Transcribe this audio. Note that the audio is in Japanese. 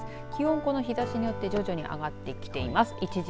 気温この日ざしによって徐々に上がってきています。